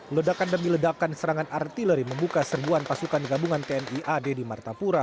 ledakan demi ledakan serangan artileri membuka serbuan pasukan gabungan tni ad di martapura